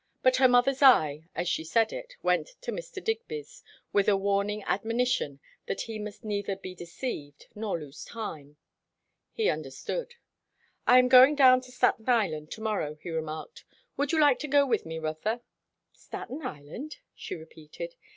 But her mother's eye, as she said it, went to Mr. Digby's, with a warning admonition that he must neither be deceived nor lose time. He understood. "I am going down to Staten Island to morrow," he remarked. "Would you like to go with me, Rotha?" "Staten Island?" she repeated.